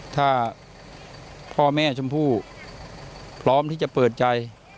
ถ้าพ่อแม่ชมพู่พร้อมที่จะเปิดใจ